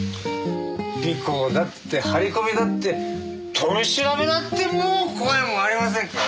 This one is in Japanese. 尾行だって張り込みだって取り調べだってもう怖いものありませんから。